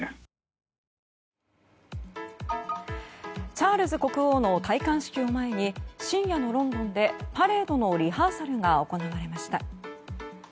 チャールズ国王の戴冠式を前に深夜のロンドンでパレードのリハーサルが行われました。